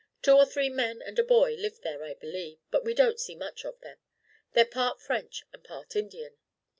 Two or three men and a boy live there, I believe, but we don't see much of them. They're part French and part Indian.